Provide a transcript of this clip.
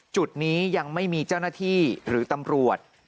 จุดนี้ยังไม่มีเจ้าหน้าที่หรือตำรวจ